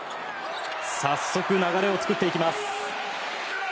早速、流れを作っていきます。